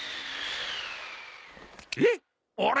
えっあれ？